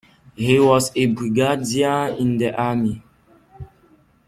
He was a Brigadier in the army.